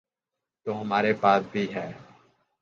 تو ہمارے پاس بھی ہے۔